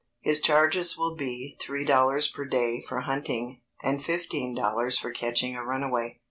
His charges will be Three Dollars per day for hunting, and Fifteen Dollars for catching a runaway.